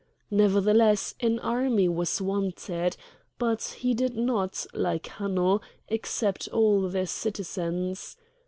Nevertheless an army was wanted. But he did not, like Hanno, accept all the citizens.